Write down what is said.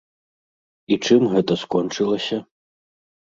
І чым гэта скончылася?